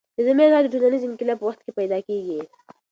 رزمي اشعار د ټولنیز انقلاب په وخت کې پیدا کېږي.